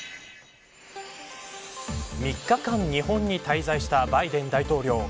３日間、日本に滞在したバイデン大統領。